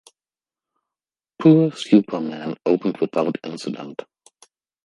"Poor Super Man" opened without incident.